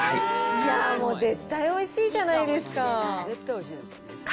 いやー、もう絶対おいしいじゃないですか。